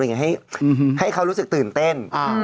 ให้เขารู้สึกตื่นเต้น